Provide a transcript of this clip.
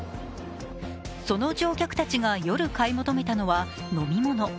その乗客たちが夜、買い求めたのは飲み物。